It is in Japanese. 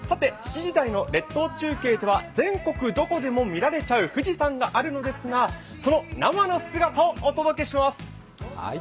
７時台の列島中継では全国どこでも見られちゃう富士山があるのですが、その生の姿をお届けします。